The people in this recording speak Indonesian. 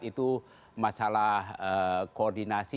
itu masalah koordinasi